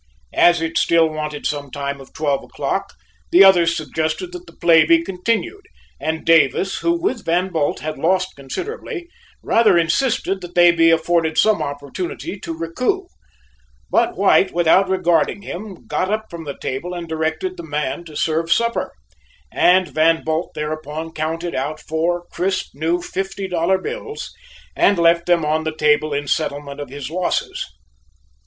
As it still wanted some time of twelve o'clock, the others suggested that the play be continued, and Davis, who, with Van Bult, had lost considerably, rather insisted that they be afforded some opportunity to recoup; but White, without regarding him, got up from the table and directed the man to serve supper, and Van Bult thereupon counted out four crisp new fifty dollar bills, and left them on the table in settlement of his losses.